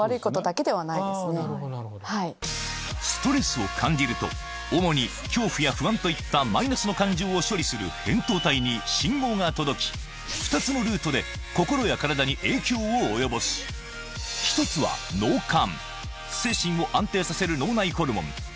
ストレスを感じると主に恐怖や不安といったマイナスの感情を処理する扁桃体に信号が届き２つのルートで心や体に影響を及ぼす１つは脳幹